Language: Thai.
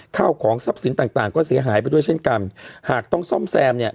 ข้าวของทรัพย์สินต่างต่างก็เสียหายไปด้วยเช่นกันหากต้องซ่อมแซมเนี่ย